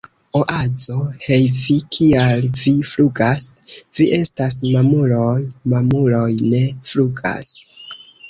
Oazo: "Hej vi! Kial vi flugas? Vi estas mamuloj! Mamuloj ne flugas!"